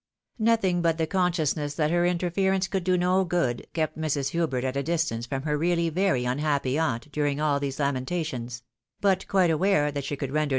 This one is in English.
Nothing but the consciousness that her interference could do no good, kept Mrs. Hubert at a distance from her really very unhappy aunt during all these lamentations ; but quite aware that she could render.